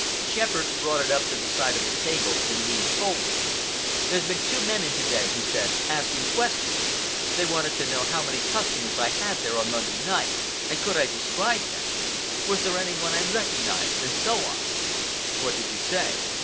Shepherd brought it up to the side of the table and leaned forward. "There's been two men in to day," he said, "asking questions. They wanted to know how many customers I had there on Monday night, and could I describe them. Was there any one I recognized, and so on." "What did you say?"